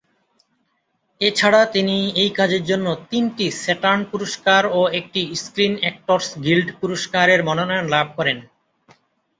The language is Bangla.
এছাড়া তিনি এই কাজের জন্য তিনটি স্যাটার্ন পুরস্কার ও একটি স্ক্রিন অ্যাক্টরস গিল্ড পুরস্কারের মনোনয়ন লাভ করেন।